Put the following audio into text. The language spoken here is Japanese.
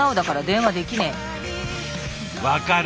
分かる！